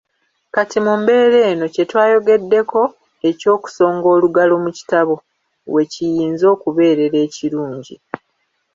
Kati mu mbeera eno kyetwayogedeko eky'okusonga olugalo mu kitabo weekiyinza okubeerera ekirungi.